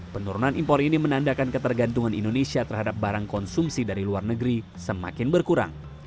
penurunan impor ini menandakan ketergantungan indonesia terhadap barang konsumsi dari luar negeri semakin berkurang